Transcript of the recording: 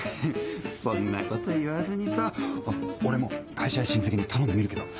そんなこと言わずにさ俺も会社や親戚に頼んでみるけど。